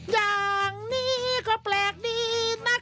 อย่างนี้ก็แปลกดีนะคะ